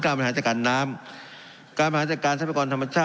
การประจานจากการเล่นการทำวิจัย